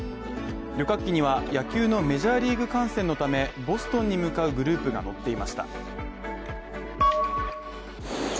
旅客機には野球のメジャーリーグ観戦のため、ボストンに向かうグループが乗っていました。